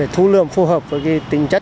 thú lượng phù hợp với tính chất